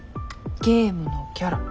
ゲームのキャラ。